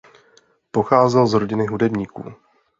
Pocházel z rodiny hudebníků.